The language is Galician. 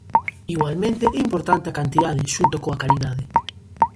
Igualmente é importante a cantidade, xunto coa calidade.